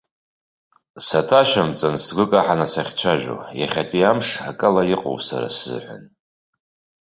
Саҭашәымҵан сгәы каҳаны сахьцәажәо, иахьатәи амш акала иҟоуп сара сзыҳәан.